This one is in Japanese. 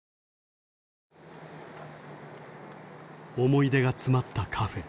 思い出が詰まったカフェ。